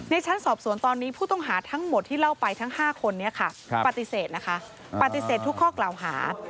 ชั้นสอบสวนตอนนี้ผู้ต้องหาทั้งหมดที่เล่าไปทั้ง๕คนนี้ค่ะปฏิเสธนะคะปฏิเสธทุกข้อกล่าวหา